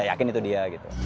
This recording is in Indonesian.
saya yakin itu dia